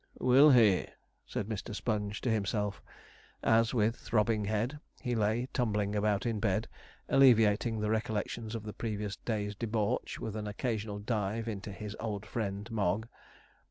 'Will he?' said Mr. Sponge to himself, as, with throbbing head, he lay tumbling about in bed, alleviating the recollections of the previous day's debauch with an occasional dive into his old friend Mogg.